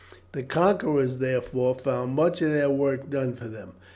The conquerors, therefore, found much of their work done for them.